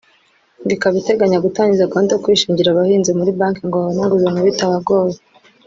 ngo ikaba iteganya gutangiza gahunda yo kwishingira abahinzi muri banki ngo babone inguzanyo bitabagoye